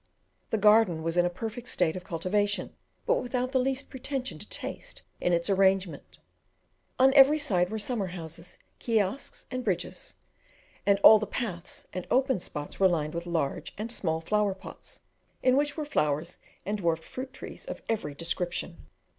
The garden was in a perfect state of cultivation, but without the least pretension to taste in its arrangement. On every side were summer houses, kiosks, and bridges, and all the paths and open spots were lined with large and small flower pots, in which were flowers and dwarfed fruit trees of every description.